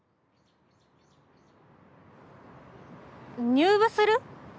入部する？